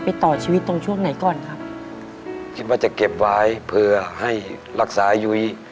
ต่อชีวิตตรงช่วงไหนก่อนครับคิดว่าจะเก็บไว้เพื่อให้รักษายุ้ย